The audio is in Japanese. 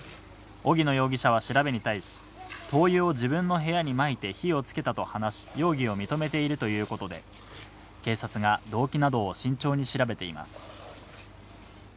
荻野容疑者は調べに対し、灯油を自分の部屋にまいて火をつけたと話し、容疑を認めているということで、警察が動機などを慎重に調べています。